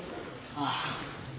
ああ。